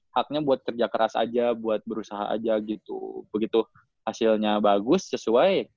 haknya buat kerja keras aja buat berusaha aja gitu begitu hasilnya bagus sesuai